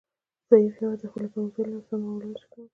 ضعیف هیواد د خپلې کمزورۍ له امله سمه معامله نشي کولای